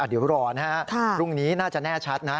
เดี๋ยวรอนะฮะพรุ่งนี้น่าจะแน่ชัดนะ